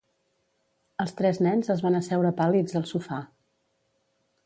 Els tres nens es van asseure pàl·lids al sofà.